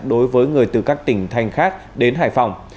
đối với người từ các tỉnh thành khác đến hải phòng